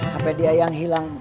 hp dia yang hilang